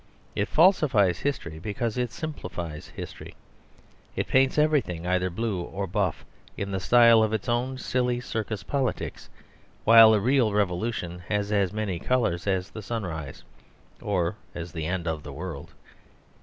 It falsifies history because it simplifies history. It paints everything either Blue or Buff in the style of its own silly circus politics: while a real revolution has as many colours as the sunrise or the end of the world.